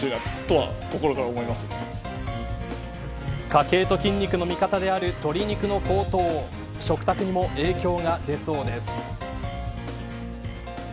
家計と筋肉の味方である鶏肉の高騰を食卓にも影響が出そうです。